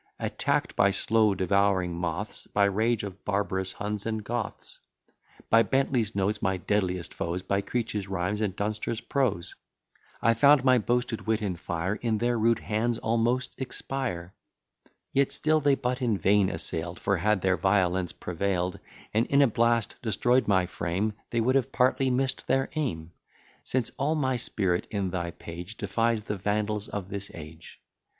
Attack'd by slow devouring moths, By rage of barbarous Huns and Goths; By Bentley's notes, my deadliest foes, By Creech's rhymes, and Dunster's prose; I found my boasted wit and fire In their rude hands almost expire: Yet still they but in vain assail'd; For, had their violence prevail'd, And in a blast destroy'd my frame, They would have partly miss'd their aim; Since all my spirit in thy page Defies the Vandals of this age.